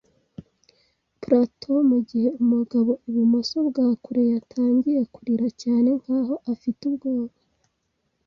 plateau mugihe umugabo ibumoso bwa kure yatangiye kurira cyane, nkaho afite ubwoba.